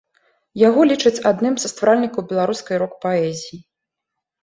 Яго лічаць адным са стваральнікаў беларускай рок-паэзіі.